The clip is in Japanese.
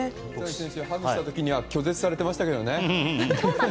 ハグした時には拒絶されてましたけどね。